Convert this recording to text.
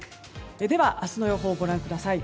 では、明日の予報をご覧ください。